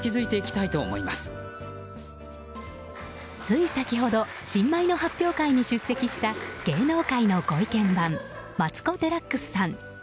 つい先ほど新米の発表会に出席した芸能界のご意見番マツコ・デラックスさん。